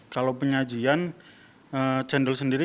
kalau penyajian cendol sendiri